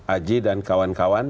aji dan kawan kawan